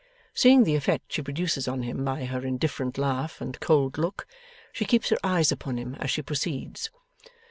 Seeing the effect she produces on him by her indifferent laugh and cold look, she keeps her eyes upon him as she proceeds.